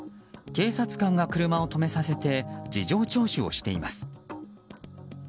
警察官が車を止めさせて事情聴取をしています。